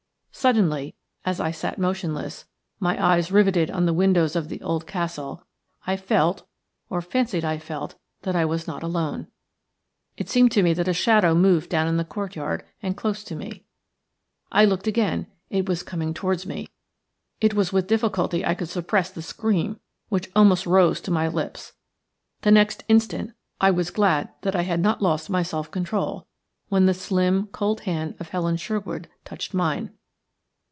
Suddenly, as I sat motionless, my eyes riveted on the windows of the old castle, I felt, or fancied I felt, that I was not alone. It seemed to me that a shadow moved down in the courtyard and close to me. I looked again; it was coming towards me. It was with difficulty I could suppress the scream which almost rose to my lips. The next instant I was glad that I had not lost my self control, when the slim, cold hand of Helen Sherwood touched mine.